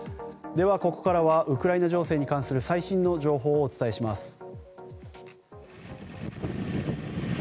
ここからはウクライナ情勢に関する最新情報をお伝えします。